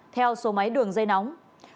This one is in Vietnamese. theo số máy đường dây nóng